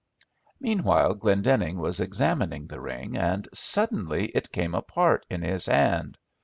Meanwhile Glendenning was examining the ring, and suddenly it came apart in his hand.